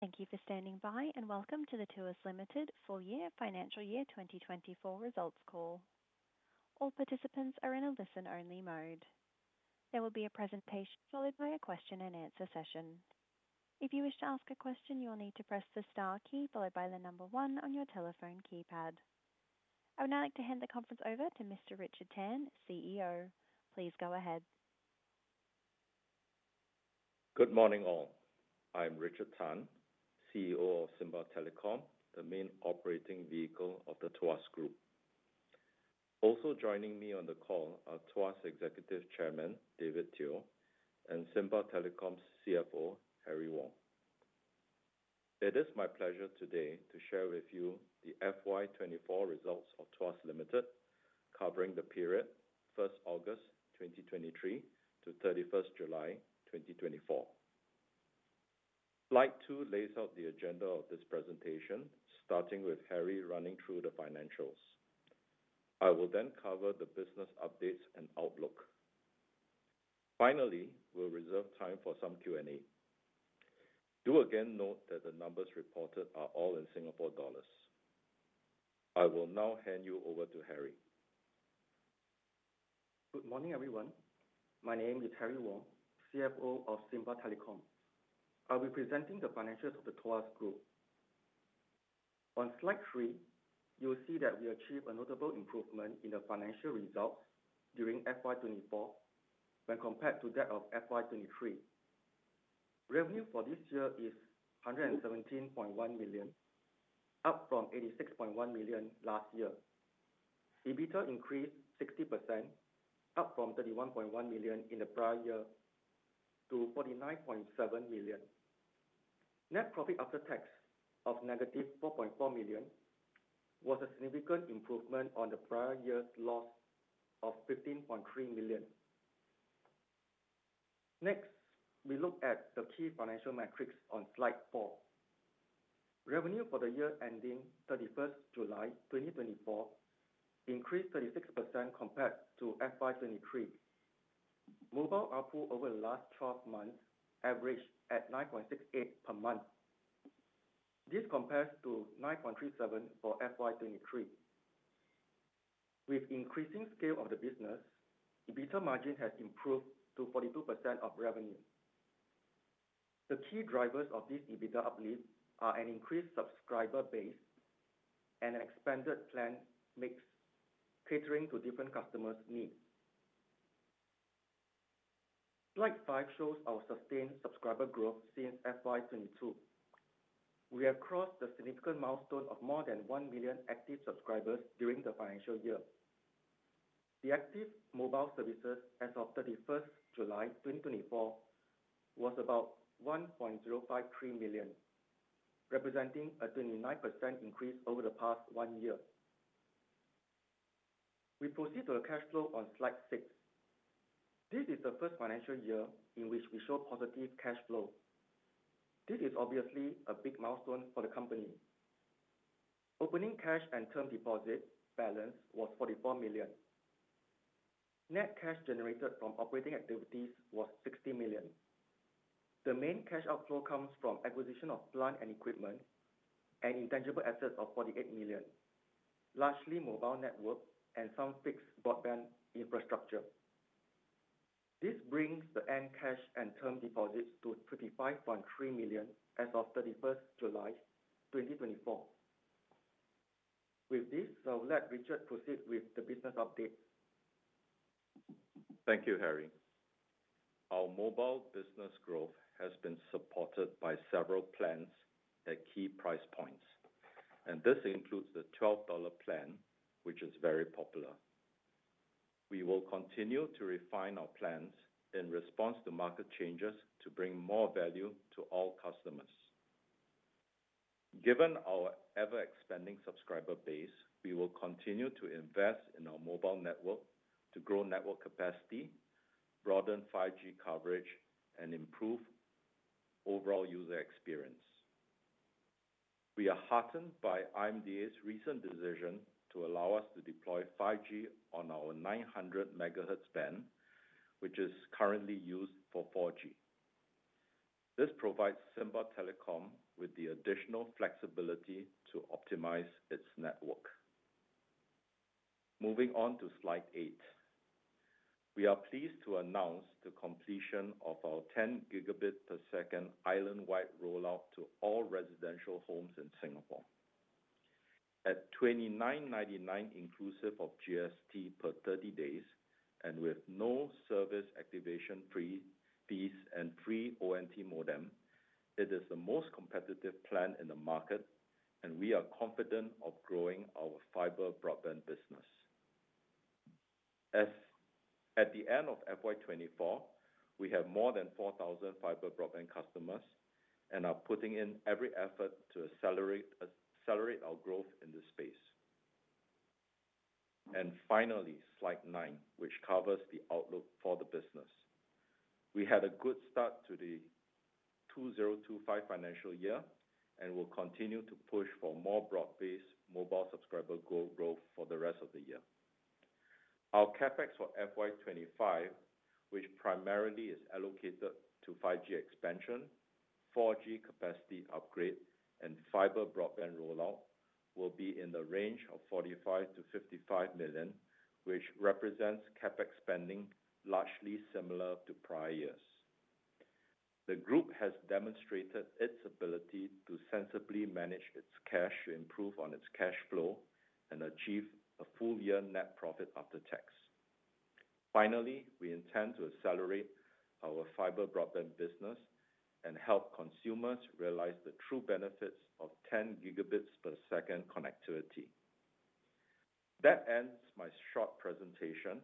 Thank you for standing by, and welcome to the Tuas Limited Full Year Financial Year 2024 results call. All participants are in a listen-only mode. There will be a presentation followed by a question-and-answer session. If you wish to ask a question, you will need to press the star key followed by the number one on your telephone keypad. I would now like to hand the conference over to Mr. Richard Tan, CEO. Please go ahead. Good morning, all. I'm Richard Tan, CEO of Simba Telecom, the main operating vehicle of the Tuas Group. Also joining me on the call are Tuas Executive Chairman, David Teo, and Simba Telecom's CFO, Harry Wong. It is my pleasure today to share with you the FY 24 results of Tuas Limited, covering the period 1st August 2023 to thirty-first July 2024. Slide two lays out the agenda of this presentation, starting with Harry running through the financials. I will then cover the business updates and outlook. Finally, we'll reserve time for some Q&A. Do again note that the numbers reported are all in Singapore dollars. I will now hand you over to Harry. Good morning, everyone. My name is Harry Wong, CFO of Simba Telecom. I'll be presenting the financials of the Tuas Group. On slide three, you'll see that we achieved a notable improvement in the financial results during FY 2024 when compared to that of FY 2023. Revenue for this year is 117.1 million, up from 86.1 million last year. EBITDA increased 60%, up from 31.1 million in the prior year to 49.7 million. Net profit after tax of -4.4 million was a significant improvement on the prior year's loss of 15.3 million. Next, we look at the key financial metrics on slide four. Revenue for the year ending July 31, 2024 increased 36% compared to FY 2023. Mobile ARPU over the last 12 months averaged at 9.68 per month. This compares to 9.37 for FY 2023. With increasing scale of the business, EBITDA margin has improved to 42% of revenue. The key drivers of this EBITDA uplift are an increased subscriber base and an expanded plan mix, catering to different customers' needs. Slide five shows our sustained subscriber growth since FY 2022. We have crossed the significant milestone of more than 1 million active subscribers during the financial year. The active mobile services as of 31st July 2024 was about 1.053 million, representing a 29% increase over the past one year. We proceed to the cash flow on slide six. This is the first financial year in which we show positive cash flow. This is obviously a big milestone for the company. Opening cash and term deposit balance was 44 million. Net cash generated from operating activities was 60 million. The main cash outflow comes from acquisition of plant and equipment and intangible assets of 48 million, largely mobile network and some fixed broadband infrastructure. This brings the end cash and term deposits to 35.3 million as of 31 July 2024. With this, I will let Richard proceed with the business update. Thank you, Harry. Our mobile business growth has been supported by several plans at key price points, and this includes the 12 dollar plan, which is very popular. We will continue to refine our plans in response to market changes to bring more value to all customers. Given our ever-expanding subscriber base, we will continue to invest in our mobile network to grow network capacity, broaden 5G coverage, and improve overall user experience. We are heartened by IMDA's recent decision to allow us to deploy 5G on our 900 megahertz band, which is currently used for 4G. This provides Simba Telecom with the additional flexibility to optimize its network. Moving on to slide eight. We are pleased to announce the completion of our 10 Gbps island-wide rollout to all residential homes in Singapore. At 29.99, inclusive of GST per 30 days, and with no service activation fees and free ONT modem, it is the most competitive plan in the market, and we are confident of growing our fiber broadband business. At the end of FY 2024, we have more than 4,000 fiber broadband customers and are putting in every effort to accelerate our growth in this space. Finally, slide nine, which covers the outlook for the business. We had a good start to the 2025 financial year, and we'll continue to push for more broad-based mobile subscriber growth for the rest of the year. Our CapEx for FY 2025, which primarily is allocated to 5G expansion, 4G capacity upgrade, and fiber broadband rollout, will be in the range of 45-55 million, which represents CapEx spending largely similar to prior years. The group has demonstrated its ability to sensibly manage its cash, to improve on its cash flow, and achieve a full year net profit after tax. Finally, we intend to accelerate our fiber broadband business and help consumers realize the true benefits of 10 Gbps connectivity. That ends my short presentation,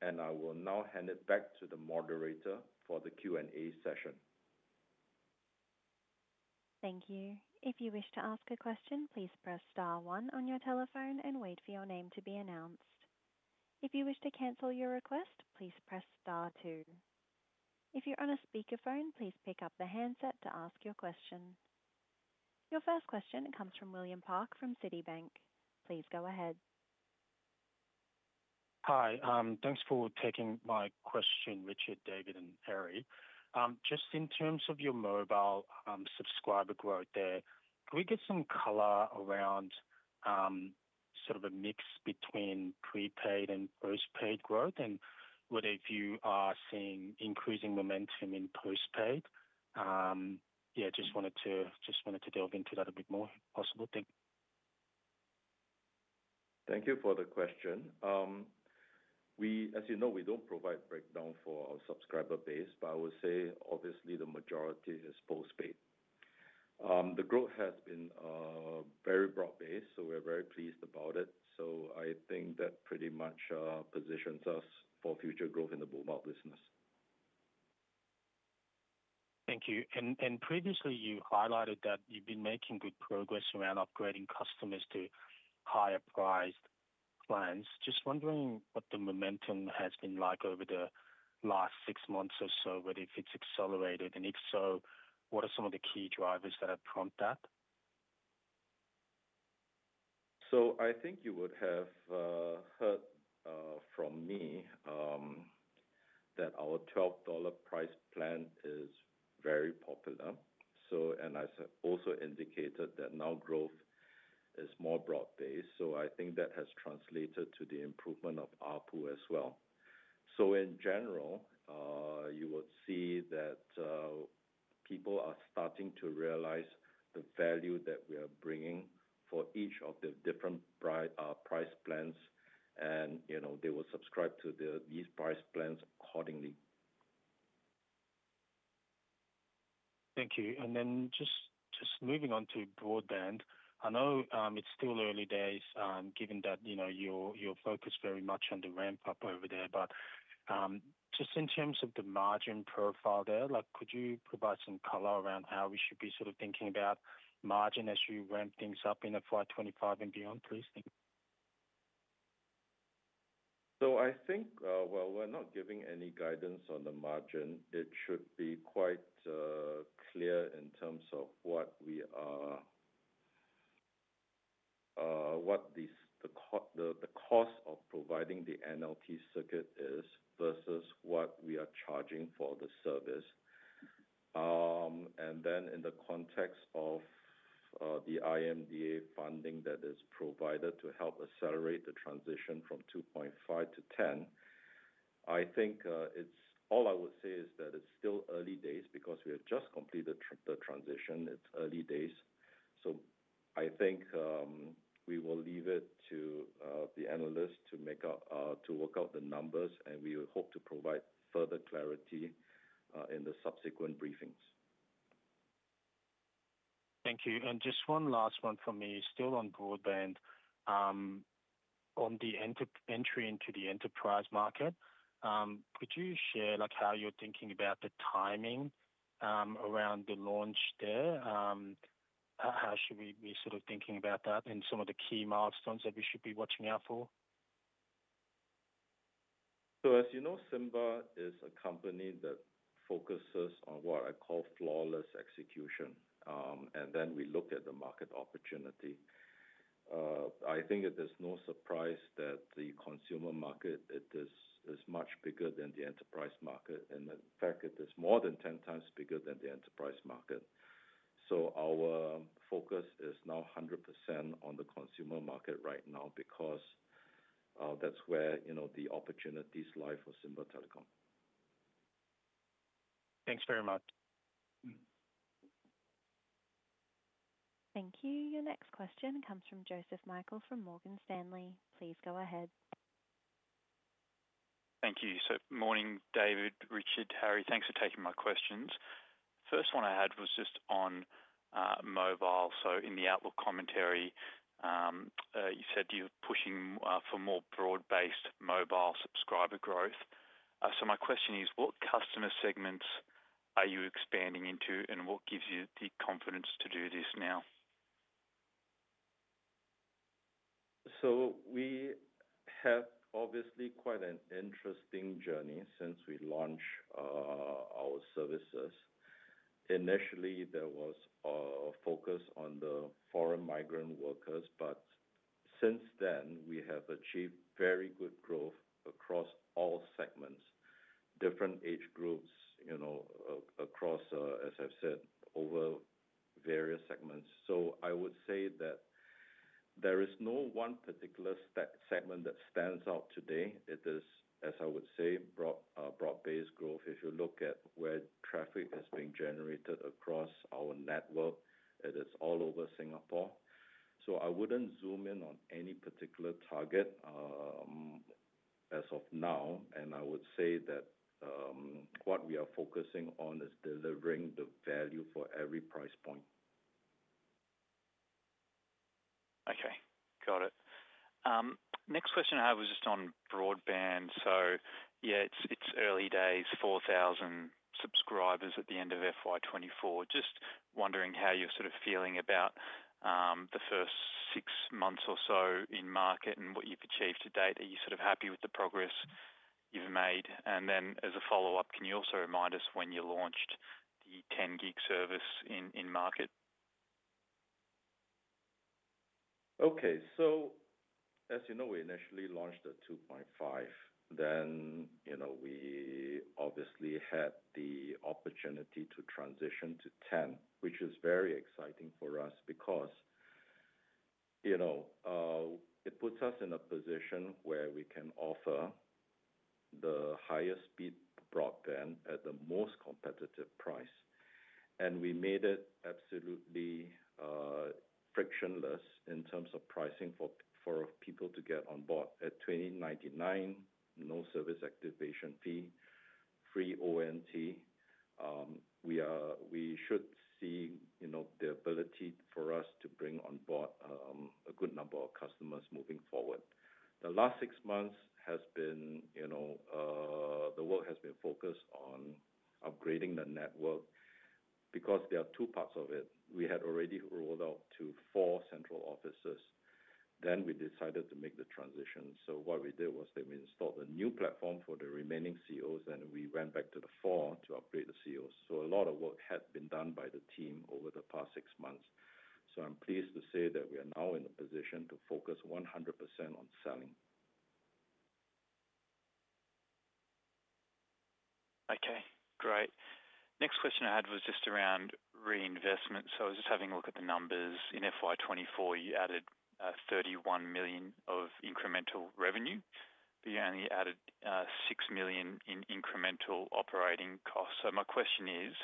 and I will now hand it back to the moderator for the Q&A session. Thank you. If you wish to ask a question, please press star one on your telephone and wait for your name to be announced. If you wish to cancel your request, please press star two. If you're on a speakerphone, please pick up the handset to ask your question. Your first question comes from William Park, from Citibank. Please go ahead. Hi. Thanks for taking my question, Richard, David, and Harry. Just in terms of your mobile subscriber growth there, can we get some color around sort of a mix between prepaid and postpaid growth? And whether if you are seeing increasing momentum in postpaid. Yeah, just wanted to delve into that a bit more, if possible. Thank you. Thank you for the question. We, as you know, we don't provide breakdown for our subscriber base, but I would say obviously the majority is postpaid. The growth has been very broad-based, so we're very pleased about it. So I think that pretty much positions us for future growth in the mobile business. Thank you. Previously you highlighted that you've been making good progress around upgrading customers to higher priced plans. Just wondering what the momentum has been like over the last six months or so, whether if it's accelerated, and if so, what are some of the key drivers that have prompted that? I think you would have heard from me that our 12.00 dollar price plan is very popular, and I also indicated that now growth is more broad-based, so I think that has translated to the improvement of ARPU as well. In general, you would see that people are starting to realize the value that we are bringing for each of the different price plans, and you know, they will subscribe to these price plans accordingly. Thank you. And then just moving on to broadband. I know it's still early days, given that, you know, you're focused very much on the ramp-up over there, but just in terms of the margin profile there, like, could you provide some color around how we should be sort of thinking about margin as you ramp things up in the FY 25 and beyond, please? Thank you. So I think while we're not giving any guidance on the margin, it should be quite clear in terms of what the cost of providing the NLT circuit is, versus what we are charging for the service. And then in the context of the IMDA funding that is provided to help accelerate the transition from two point five to 10, I think it's all I would say is that it's still early days because we have just completed the transition. It's early days, so I think we will leave it to the analysts to work out the numbers, and we hope to provide further clarity in the subsequent briefings. Thank you. And just one last one for me, still on broadband. On the entry into the enterprise market, could you share, like, how you're thinking about the timing around the launch there? How should we be sort of thinking about that and some of the key milestones that we should be watching out for? So, as you know, Simba is a company that focuses on what I call flawless execution. And then we look at the market opportunity. I think that there's no surprise that the consumer market, it is much bigger than the enterprise market, and in fact, it is more than 10 times bigger than the enterprise market. Our focus is now 100% on the consumer market right now, because that's where, you know, the opportunities lie for Simba Telecom. Thanks very much. Thank you. Your next question comes from Joseph Michael, from Morgan Stanley. Please go ahead. Thank you. Good morning, David, Richard, Harry. Thanks for taking my questions. First one I had was just on mobile. So in the outlook commentary, you said you're pushing for more broad-based mobile subscriber growth. So my question is: What customer segments are you expanding into, and what gives you the confidence to do this now? So we have obviously quite an interesting journey since we launched our services. Initially, there was a focus on the foreign migrant workers, but since then, we have achieved very good growth across all segments, different age groups, you know, across, as I've said, over various segments. I would say that there is no one particular segment that stands out today. It is, as I would say, broad, broad-based growth. If you look at where traffic is being generated across our network, it is all over Singapore. I wouldn't zoom in on any particular target as of now, and I would say that what we are focusing on is delivering the value for every price point. Okay, got it. Next question I have is just on broadband. So yeah, it's early days, 4,000 subscribers at the end of FY 2024. Just wondering how you're sort of feeling about the first six months or so in market and what you've achieved to date. Are you sort of happy with the progress you've made? And then, as a follow-up, can you also remind us when you launched the 10 Gb service in market? Okay, so as you know, we initially launched at 2.5. Then, you know, we obviously had the opportunity to transition to 10, which is very exciting for us because, you know, it puts us in a position where we can offer the highest speed broadband at the most competitive price. And we made it absolutely, frictionless in terms of pricing for people to get on board. At 29.99, no service activation fee, free ONT. We should see, you know, the ability for us to bring on board a good number of customers moving forward. The last six months has been, you know, the work has been focused on upgrading the network because there are two parts of it. We had already rolled out to four central offices, then we decided to make the transition. What we did was that we installed a new platform for the remaining COs, and we went back to the four to upgrade the COs. A lot of work had been done by the team over the past six months. I'm pleased to say that we are now in a position to focus 100% on selling. Okay, great. Next question I had was just around reinvestment. So I was just having a look at the numbers. In FY 2024, you added 31 million of incremental revenue, but you only added 6 million in incremental operating costs. So my question is: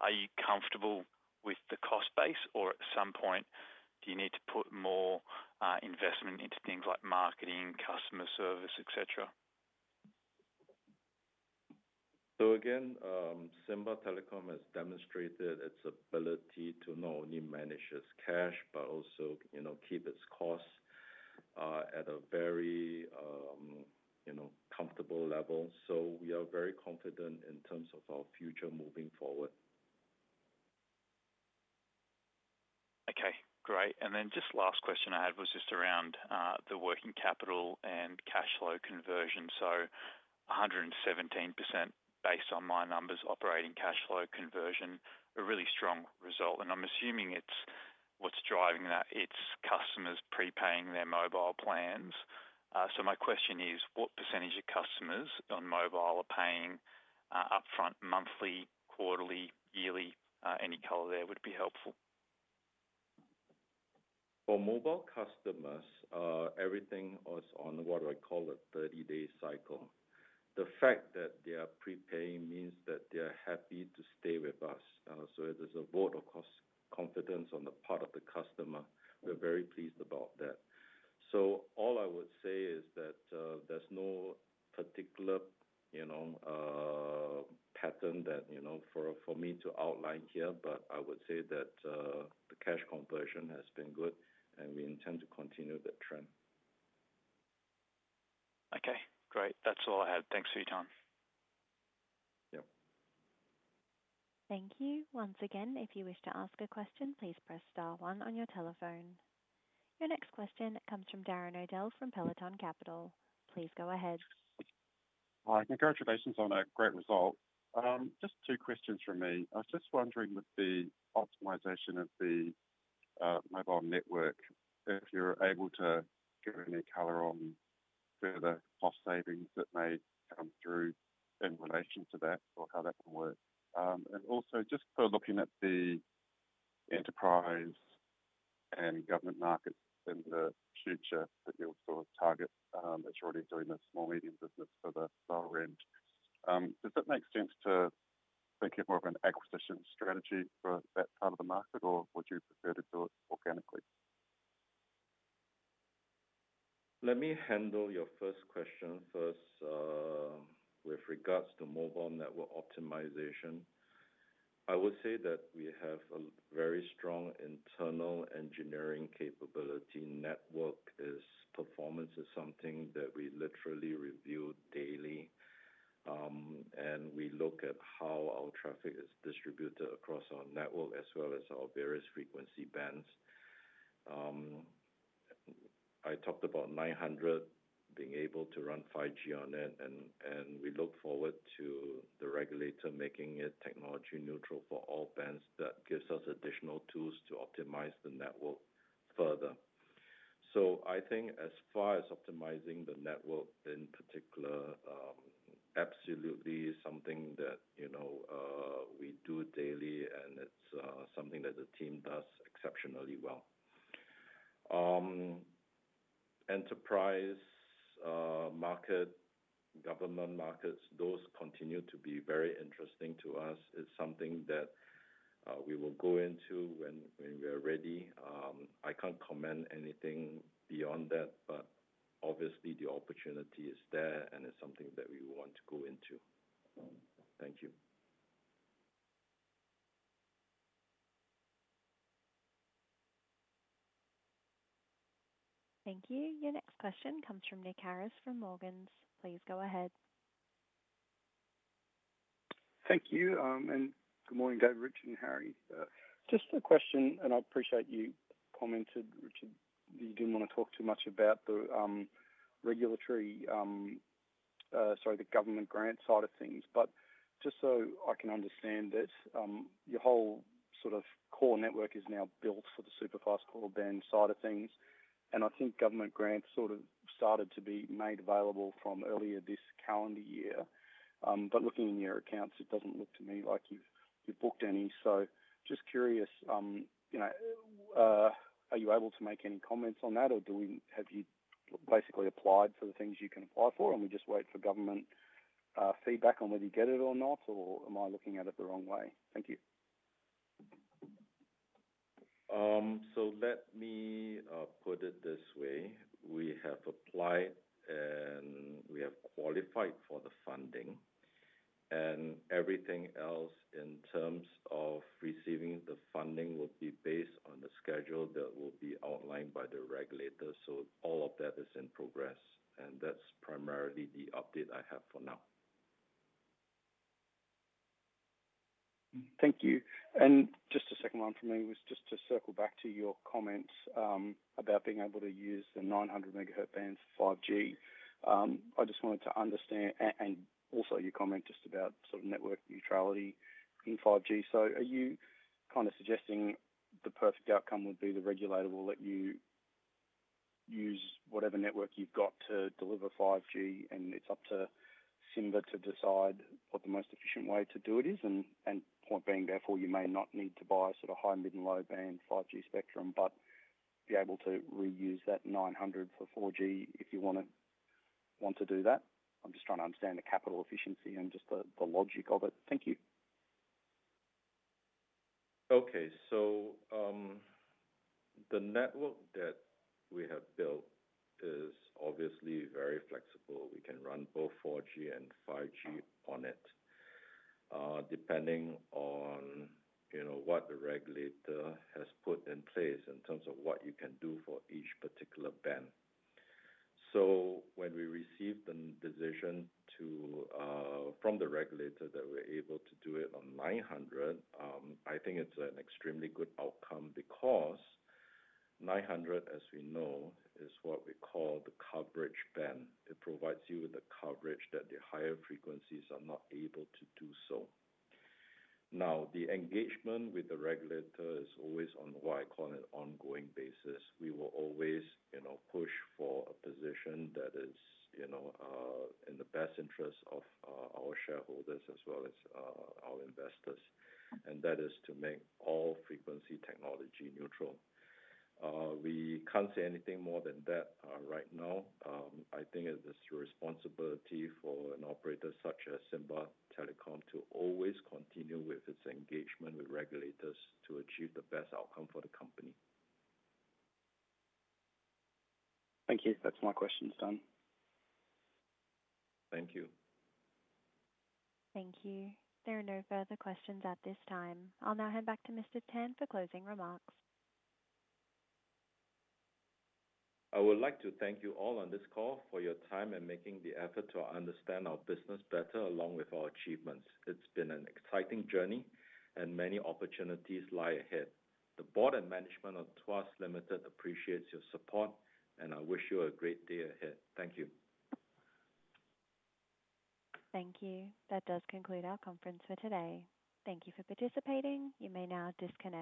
Are you comfortable with the cost base, or at some point, do you need to put more investment into things like marketing, customer service, et cetera? Again, Simba Telecom has demonstrated its ability to not only manage its cash, but also, you know, keep its costs at a very, you know, comfortable level. We are very confident in terms of our future moving forward. Okay, great. And then just last question I had was just around the working capital and cash flow conversion. So 117%, based on my numbers, operating cash flow conversion, a really strong result. And I'm assuming it's what's driving that, it's customers prepaying their mobile plans. So my question is: What percentage of customers on mobile are paying upfront, monthly, quarterly, yearly? Any color there would be helpful. For mobile customers, everything is on what I call a 30-day cycle. The fact that they are prepaying means that they are happy to stay with us. So it is a vote of confidence on the part of the customer. We're very pleased about that. So all I would say is that, there's no particular, you know, pattern that, you know, for me to outline here, but I would say that, the cash conversion has been good, and we intend to continue that trend. Okay, great. That's all I had. Thanks for your time. Yeah. Thank you. Once again, if you wish to ask a question, please press star one on your telephone. Your next question comes from Darren Odell from Peloton Capital. Please go ahead. Hi, congratulations on a great result. Just two questions from me. I was just wondering, with the optimization of the, mobile network, if you're able to give any color on further cost savings that may come through in relation to that or how that can work. And also just sort of looking at the enterprise and government markets in the future that you'll sort of target, as you're already doing the small, medium business for the lower end. Does that make sense to think of more of an acquisition strategy for that part of the market, or would you prefer to do it organically? Let me handle your first question first, with regards to mobile network optimization. I would say that we have a very strong internal engineering capability. Network performance is something that we literally review daily, and we look at how our traffic is distributed across our network as well as our various frequency bands. I talked about nine hundred being able to run 5G on it, and we look forward to the regulator making it technology neutral for all bands. That gives us additional tools to optimize the network further. So I think as far as optimizing the network in particular, absolutely something that, you know, we do daily, and it's something that the team does exceptionally well. Enterprise market, government markets, those continue to be very interesting to us. It's something that we will go into when we are ready. I can't comment anything beyond that, but obviously the opportunity is there, and it's something that we want to go into. Thank you. Thank you. Your next question comes from Nick Harris from Morgans. Please go ahead. Thank you, and good morning, Dave, Richard, and Harry. Just a question, and I appreciate you commented, Richard, you didn't want to talk too much about the, regulatory, sorry, the government grant side of things. But just so I can understand this, your whole sort of core network is now built for the super fast core band side of things, and I think government grants sort of started to be made available from earlier this calendar year. But looking in your accounts, it doesn't look to me like you've booked any. So just curious, you know, are you able to make any comments on that, or do we have you basically applied for the things you can apply for, and we just wait for government feedback on whether you get it or not? Or am I looking at it the wrong way? Thank you. So let me put it this way: We have applied, and we have qualified for the funding, and everything else in terms of receiving the funding will be based on the schedule that will be outlined by the regulator. So all of that is in progress, and that's primarily the update I have for now. Thank you. And just a second one from me was just to circle back to your comments about being able to use the 900 MHz band for 5G. I just wanted to understand... and also your comment just about sort of network neutrality in 5G. So are you kind of suggesting the perfect outcome would be the regulator will let you use whatever network you've got to deliver 5G, and it's up to Simba to decide what the most efficient way to do it is? And point being, therefore, you may not need to buy sort of high, mid, and low band 5G spectrum, but be able to reuse that 900 for 4G if you want to do that. I'm just trying to understand the capital efficiency and just the logic of it. Thank you. Okay. So, the network that we have built is obviously very flexible. We can run both 4G and 5G on it, depending on, you know, what the regulator has put in place in terms of what you can do for each particular band. So when we received the decision from the regulator that we're able to do it on nine hundred, I think it's an extremely good outcome because nine hundred, as we know, is what we call the coverage band. It provides you with the coverage that the higher frequencies are not able to do so. Now, the engagement with the regulator is always on what I call an ongoing basis. We will always, you know, push for a position that is, you know, in the best interest of our shareholders as well as our investors, and that is to make all frequency technology neutral. We can't say anything more than that, right now. I think it is responsibility for an operator such as Simba Telecom to always continue with its engagement with regulators to achieve the best outcome for the company. Thank you. That's my questions done. Thank you. Thank you. There are no further questions at this time. I'll now hand back to Mr. Tan for closing remarks. I would like to thank you all on this call for your time and making the effort to understand our business better, along with our achievements. It's been an exciting journey, and many opportunities lie ahead. The board and management of Tuas Limited appreciates your support, and I wish you a great day ahead. Thank you. Thank you. That does conclude our conference for today. Thank you for participating. You may now disconnect.